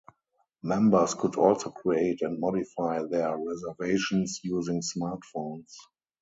Members could also create and modify their reservations using smart phones.